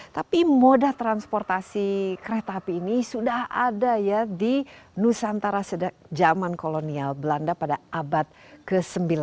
tapi moda transportasi kereta api ini sudah ada ya di nusantara zaman kolonial belanda pada abad ke sembilan